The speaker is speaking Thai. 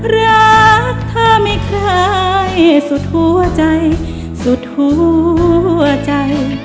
รักเธอไม่คล้ายสุดหัวใจสุดหัวใจ